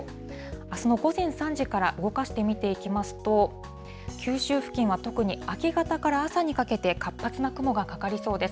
あすの午前３時から動かして見ていきますと、九州付近は特に明け方から朝にかけて、活発な雲がかかりそうです。